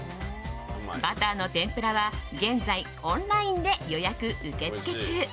バターの天ぷらは現在オンラインで予約受け付け中。